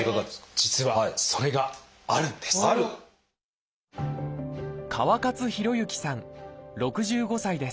実はそれがあるんです。